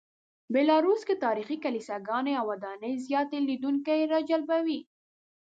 بیلاروس کې تاریخي کلیساګانې او ودانۍ زیاتې لیدونکي راجلبوي.